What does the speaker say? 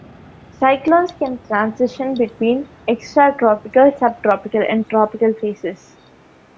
Cyclones can transition between extratropical, subtropical, and tropical phases.